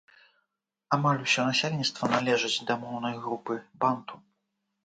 Амаль усё насельніцтва належыць да моўнай групы банту.